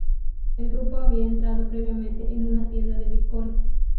El grupo había entrado previamente en una tienda de licores.